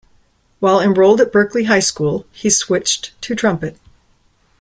While enrolled at Berkeley High School, he switched to trumpet.